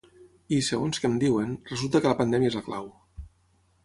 I, segons que em diuen, resulta que la pandèmia és la clau.